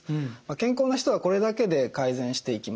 健康な人はこれだけで改善していきます。